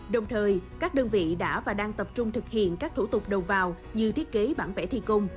đồng thời các đơn vị đã và đang tập trung thực hiện các thủ tục đầu vào như thiết kế bản vẽ thi công